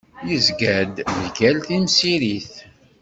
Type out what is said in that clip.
Yezga-d mgal temsirit.